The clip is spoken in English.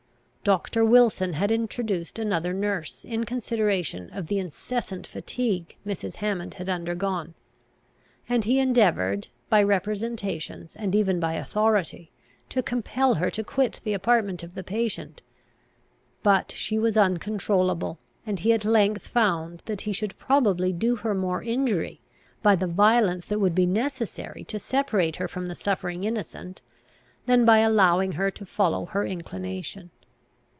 Doctor Wilson had introduced another nurse, in consideration of the incessant fatigue Mrs. Hammond had undergone; and he endeavoured, by representations, and even by authority, to compel her to quit the apartment of the patient. But she was uncontrollable; and he at length found that he should probably do her more injury, by the violence that would be necessary to separate her from the suffering innocent, than by allowing her to follow her inclination.